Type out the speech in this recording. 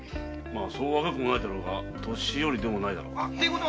そう若くはないが年寄りでもないだろうな。